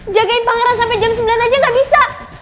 jagain pangeran sampai jam sembilan aja gak bisa